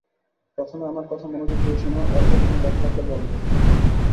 প্রথমে আমার কথা মনোযোগ দিয়ে শোন এরপর কোন কথা থাকলে বলবে।